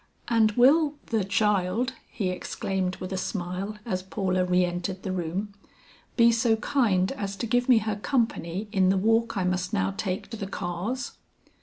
"And will the child," he exclaimed with a smile as Paula re entered the room, "be so kind as to give me her company in the walk I must now take to the cars?"